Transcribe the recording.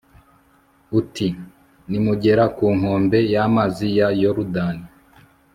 uti 'nimugera ku nkombe y'amazi ya yorudani